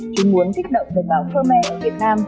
chúng muốn thích động đồng bào khmer ở việt nam